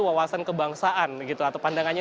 wawasan kebangsaan gitu atau pandangannya